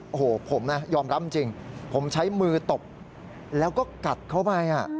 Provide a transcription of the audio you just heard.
โอ้โหผมนะยอมรับจริงผมใช้มือตบแล้วก็กัดเข้าไป